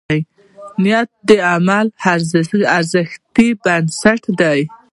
نیت د عمل د ارزښت بنسټ دی.